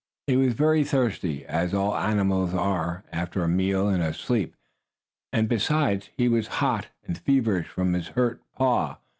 He was very thirsty, as all animals are after a meal and a sleep, and, besides, he was hot and feverish from his hurt paw.